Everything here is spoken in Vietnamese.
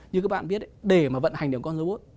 như các bạn biết để mà vận hành được con robot